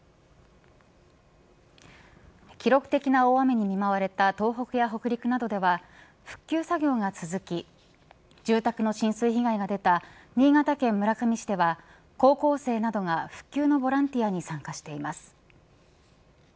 記録的な大雨に見舞われた東北や北陸などでは復旧作業が続き住宅の浸水被害が出た新潟県村上市では高校生などが復旧のボランティアに参加しています。